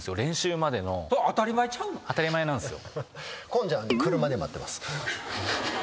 当たり前なんすよ。